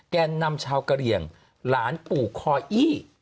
แกนนำชาวกะเหลี่ยงหลานปู่คออี้